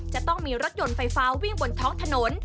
จะต้องมีรถยนต์ไฟฟ้าวิ่งบนท้องถนน